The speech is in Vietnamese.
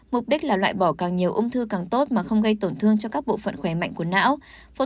mục đích là loại bỏ càng nhiều ung thư càng tốt mà không gây tổn thương cho các bộ phận khỏe mạnh của não